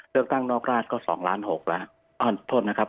เลือกตั้งนอกราชก็๒ล้านหกแล้วโทษนะครับ